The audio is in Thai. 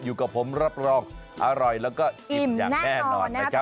อยู่กับผมรับรองอร่อยแล้วก็อิ่มอย่างแน่นอนนะครับ